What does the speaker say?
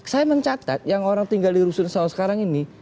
saya mencatat yang orang tinggal di rusun sawah sekarang ini